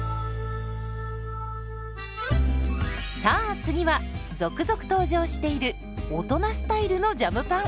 さあ次は続々登場している大人スタイルのジャムパン。